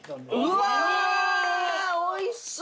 うわおいしそう。